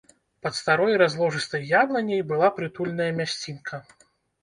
Пад старой разложыстай яблыняй была прытульная мясцінка.